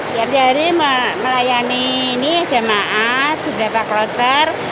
setiap hari melayani jamaat beberapa kloter